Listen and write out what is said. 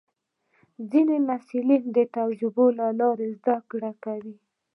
ځینې محصلین د تجربو له لارې زده کړه کوي.